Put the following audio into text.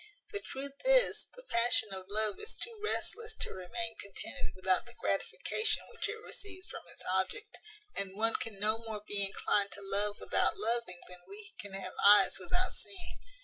The truth is, the passion of love is too restless to remain contented without the gratification which it receives from its object; and one can no more be inclined to love without loving than we can have eyes without seeing.